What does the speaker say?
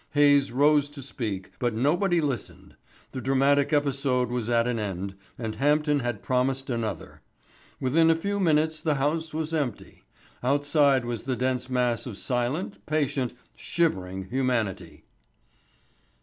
Hayes rose to speak, but nobody listened. The dramatic episode was at an end, and Hampden had promised another. Within a few minutes the House was empty. Outside was the dense mass of silent, patient, shivering humanity.